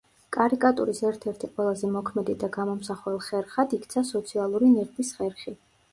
კარიკატურის ერთ-ერთი ყველაზე მოქმედი და გამომსახველ ხერხად იქცა „სოციალური ნიღბის“ ხერხი.